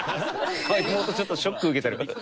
妹ちょっとショック受けてる。